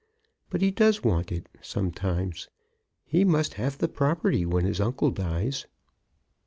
But he does want it, sometimes. He must have the property when his uncle dies."